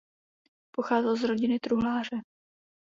Pocházel z rodiny truhláře.